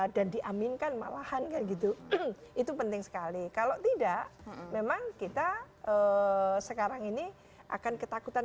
dan diaminkan malahan kan gitu itu penting sekali kalau tidak memang kita sekarang ini akan ketakutan